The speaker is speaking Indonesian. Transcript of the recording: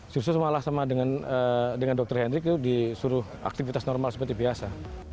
sukses malah sama dengan dr hendrik itu disuruh aktivitas normal seperti biasa